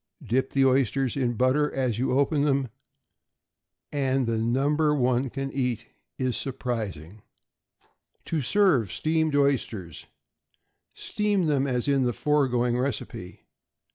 Dip the oysters in the butter as you open them, and the number one can eat is surprising. =To serve Steamed Oysters.= Steam them as in the foregoing recipe.